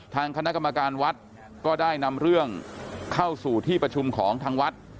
ทางคณะกรรมการวัดก็ได้นำเรื่องเข้าสู่ที่ประชุมของทางวัด